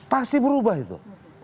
pasti berubah itu